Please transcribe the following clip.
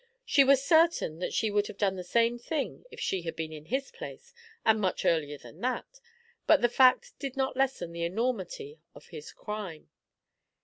She was certain that she would have done the same thing if she had been in his place, and much earlier at that; but the fact did not lessen the enormity of his crime.